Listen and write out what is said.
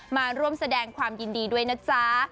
มาร่วมแสดงความยินดีด้วยนะจ๊ะ